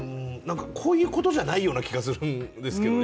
こういうことじゃないような気がするんですけどね。